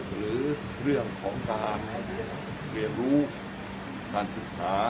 หรือเรื่องของการเรียนรู้การศึกษา